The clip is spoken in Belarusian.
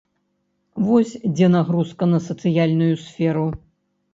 Вось дзе нагрузка на сацыяльную сферу.